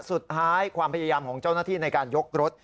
ความพยายามของเจ้าหน้าที่ในการยกรถ